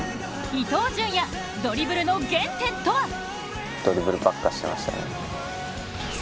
伊東純也、ドリブルの原点とは。